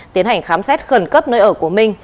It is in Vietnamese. tiến hành khám xét khẩn cấp nơi ở của minh